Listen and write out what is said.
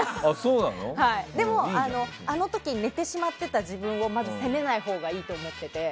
でも、あの時に寝てしまってた自分をまず責めないほうがいいと思ってて。